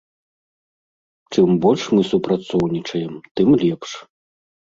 Чым больш мы супрацоўнічаем, тым лепш.